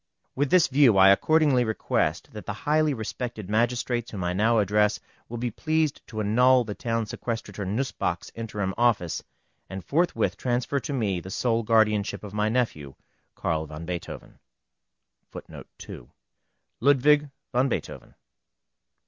With this view I accordingly request that the highly respected magistrates whom I now address will be pleased to annul the Town Sequestrator Nussböck's interim office, and forthwith transfer to me the sole guardianship of my nephew Carl van Beethoven. LUDWIG VAN BEETHOVEN.